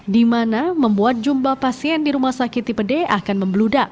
di mana membuat jumlah pasien di rumah sakit tipe d akan membeludak